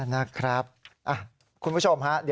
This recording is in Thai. นะครับคุณผู้ชมฮะ